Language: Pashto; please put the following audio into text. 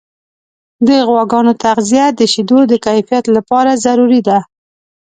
د غواګانو تغذیه د شیدو د کیفیت لپاره ضروري ده.